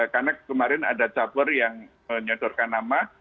karena kemarin ada cabar yang menyodorkan nama